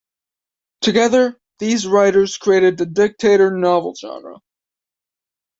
Together, these writers created the Dictator novel genre.